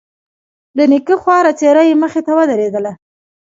د نيکه خواره څېره يې مخې ته ودرېدله.